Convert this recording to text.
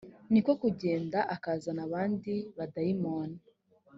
ni ko kugenda akazana abandi badayimoni